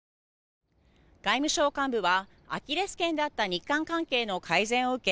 外務省幹部はアキレス腱だった日韓関係の改善を受け